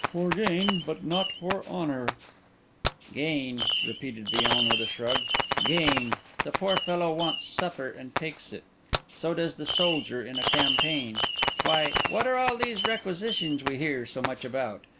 "For gain, but not for honour." "Gain?" repeated Villon with a shrug. "Gain! The poor fellow wants supper, and takes it. So does the soldier in a campaign. Why, what are all these requisitions we hear so much about?